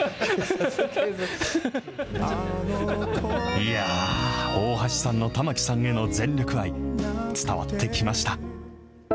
いやー、大橋さんの玉置さんへの全力愛、伝わってきました。